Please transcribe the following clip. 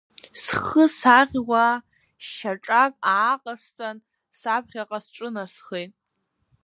Схы саӷьуа шьаҿак ааҟасҵан, саԥхьаҟа сҿынасхеит.